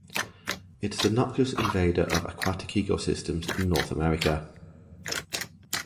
It is a noxious invader of aquatic ecosystems in North America.